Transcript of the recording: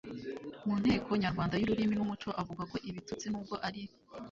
mu nteko nyarwanda y’ururimi n’umuco , avuga ko ibitutsi n’ubwo ari